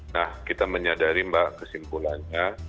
nah kita menyadari mbak kesimpulannya